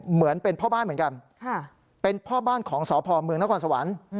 เหมือนเป็นพ่อบ้านเหมือนกันเป็นพ่อบ้านของสพเมืองนครสวรรค์